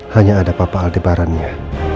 hanya ada papa aldebarannya